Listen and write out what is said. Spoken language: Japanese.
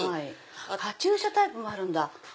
カチューシャタイプもあるんだ。